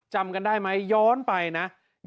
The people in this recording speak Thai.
จำกันได้ไหมย้อนไปนะ